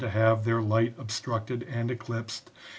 To have their light obstructed and eclipsed.